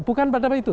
bukan pada itu